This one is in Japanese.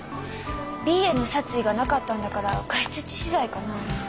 Ｂへの殺意がなかったんだから過失致死罪かなあ。